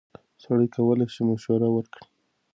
سړی کولی شي مشوره ورکړي.